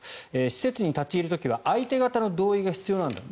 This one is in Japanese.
施設に立ち入る時は相手方の同意が必要なんだ